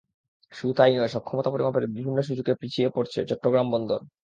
শুধু তা-ই নয়, সক্ষমতা পরিমাপের বিভিন্ন সূচকে পিছিয়ে পড়ছে চট্টগ্রাম বন্দর।